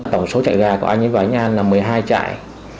tổng số chạy gà của anh ấy và anh anh là một mươi hai chạy